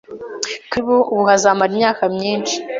kuri ubu hazamara imyaka myinshi